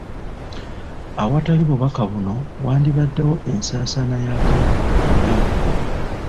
Awatali bubaka buno, wandibaddewo ensaasaana y'akawuka eya waggulu.